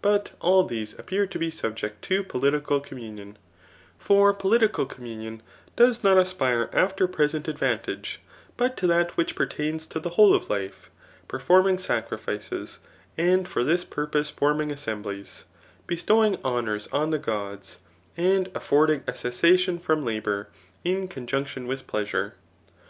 But all these appear to be subject to political communion ; for political communion does not aspire after present advantage, but to that which pertains to the whole of life ; performing sacrifices, and for thfe purpose forming assemblies, bestowing honours oh tire gods, »d affording a cessation from labour, in conjunc tion with pleasure.